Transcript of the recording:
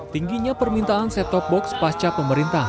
tingginya permintaan set top box pasca pemerintah